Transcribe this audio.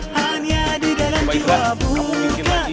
menjadi berharga hati